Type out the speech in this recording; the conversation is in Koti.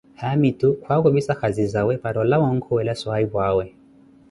haamitu kwakuvissa khazizawe para olawa onkhuwela swaahipu awe.